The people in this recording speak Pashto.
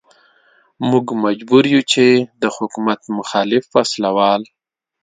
موږ مجبور يو چې د حکومت مخالف وسله وال.